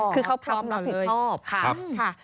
อ๋อคือเขาพร้อมแล้วผิดชอบค่ะ